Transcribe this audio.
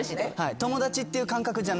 友達っていう感覚じゃないんで。